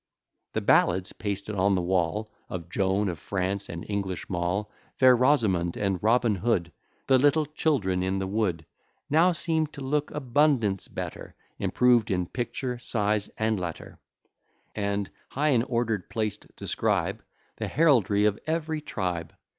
The ballads, pasted on the wall, Of Joan of France, and English Mall, Fair Rosamond, and Robin Hood, The little Children in the Wood, Now seem'd to look abundance better, Improved in picture, size, and letter: And, high in order plac'd, describe The heraldry of ev'ry tribe.